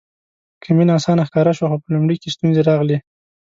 که مینه اسانه ښکاره شوه خو په لومړي کې ستونزې راغلې.